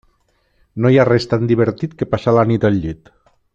No hi ha res tan divertit que passar la nit al llit.